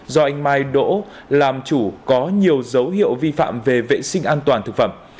do anh mai đỗ làm chủ có nhiều dấu hiệu vi phạm về vệ sinh an toàn thực phẩm